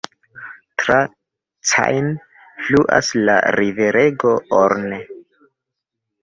Tra Caen fluas la riverego Orne.